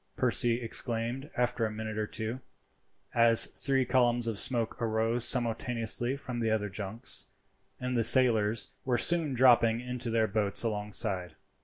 Percy exclaimed after a minute or two, as three columns of smoke arose simultaneously from the other junks, and the sailors were seen dropping into their boats alongside.